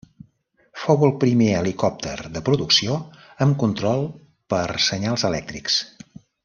Fou el primer helicòpter de producció amb control per senyals elèctrics.